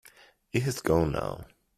It has gone now.